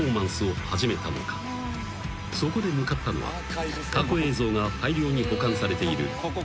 ［そこで向かったのは過去映像が大量に保管されている］